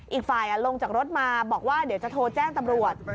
อีกฝ่ายลงจากรถมาบอกว่าเดี๋ยวจะโทรแจ้งตำรวจ